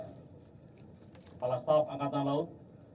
kepala staf angkatan laut